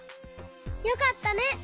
よかったね！